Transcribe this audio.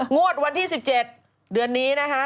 งวดวันที่๑๗เดือนนี้นะคะ